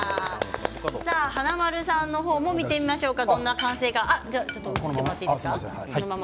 華丸さんの方も見てみましょうか。